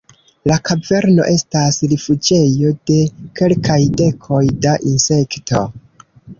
La kaverno estas rifuĝejo de kelkaj dekoj da insekto.